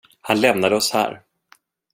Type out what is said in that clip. Han lämnade oss här.